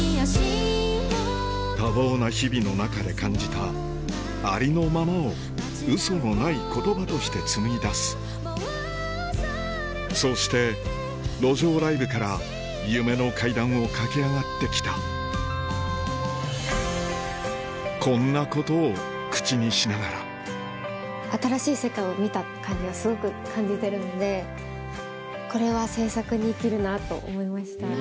多忙な日々の中で感じたありのままを嘘のない言葉として紡ぎ出すそうして路上ライブから夢の階段を駆け上がってきたこんなことを口にしながら新しい世界を見た感じがすごく感じてるのでこれは制作に生きるなと思いました。